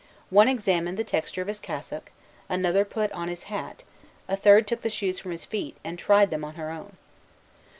One examined the texture of his cassock; another put on his hat; a third took the shoes from his feet, and tried them on her own.